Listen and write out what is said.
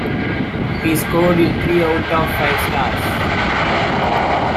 He scored it three out of five stars.